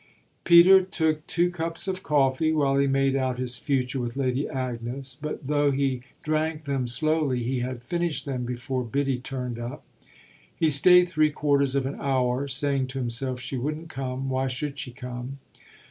Peter took two cups of coffee while he made out his future with Lady Agnes, but though he drank them slowly he had finished them before Biddy turned up. He stayed three quarters of an hour, saying to himself she wouldn't come why should she come?